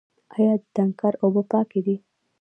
آیا د تانکر اوبه پاکې دي؟